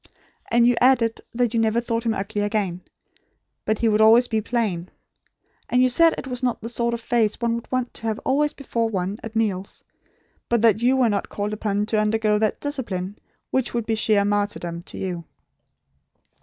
And you added that you never thought him ugly again; but he would always be plain. And you said it was not the sort of face one would want to have always before one at meals; but that you were not called upon to undergo that discipline, which would be sheer martyrdom to you."